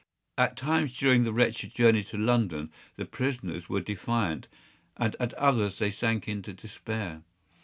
At times during the wretched journey to London the prisoners were defiant, and at others they sank into despair.